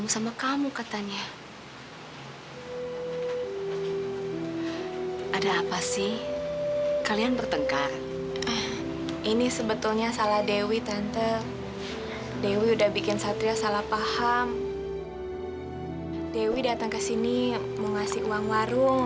sampai jumpa di video selanjutnya